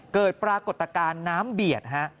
เกิดปรากฏการณ์น้ำเบียดฮะ